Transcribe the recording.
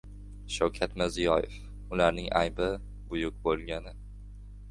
Shavkat Mirziyoyev: Ularning aybi - buyuk bo‘lgani